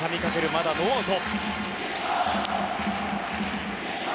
まだノーアウト。